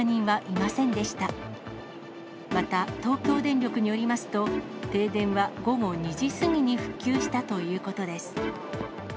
また東京電力によりますと、停電は午後２時過ぎに復旧したということです。